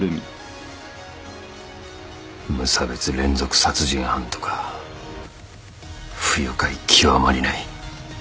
無差別連続殺人犯とか不愉快極まりない。